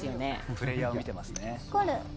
プレーヤーを見ていますね。